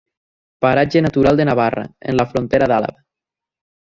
Paratge natural de Navarra, en la frontera d'Àlaba.